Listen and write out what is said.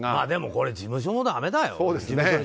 でもこれ、事務所もだめだよね。